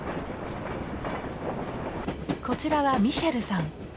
こちらはミシェルさん。